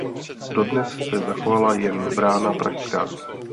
Dodnes se zachovala jen brána Pražská.